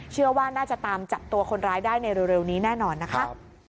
เชื่อว่าน่าจะตามจับตัวคนร้ายได้ในเร็วนี้แน่นอนนะคะ